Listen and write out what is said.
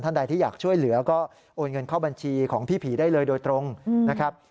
ใดที่อยากช่วยเหลือก็โอนเงินเข้าบัญชีของพี่ผีได้เลยโดยตรงนะครับ